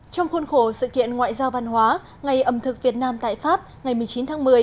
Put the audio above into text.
trong khuôn khổ sự kiện ngoại giao văn hóa ngày ẩm thực việt nam tại pháp ngày một mươi chín tháng một mươi